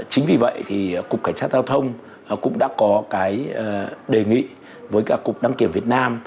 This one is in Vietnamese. chính vì vậy cục cảnh sát giao thông cũng đã có đề nghị với cục đăng kiểm việt nam